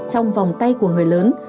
trong vòng tay của người lớn